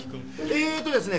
えーっとですね